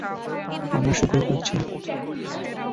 আমরা শূকর খুঁজছি।